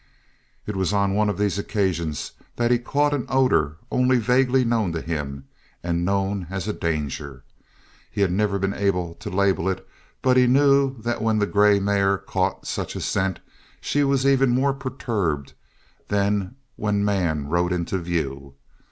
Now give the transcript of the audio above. It was on one of these occasions that he caught an odor only vaguely known to him, and known as a danger. He had never been able to label it but he knew that when the grey mare caught such a scent she was even more perturbed than when man rode into view.